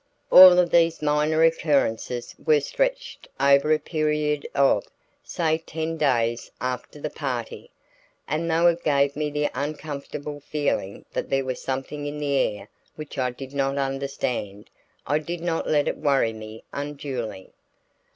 All of these minor occurrences were stretched over a period of, say ten days after the party, and though it gave me the uncomfortable feeling that there was something in the air which I did not understand, I did not let it worry me unduly.